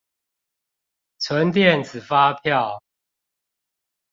存電子發票